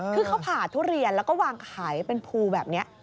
คือเขาผ่าทุเรียนแล้วก็วางขายเป็นภูแบบนี้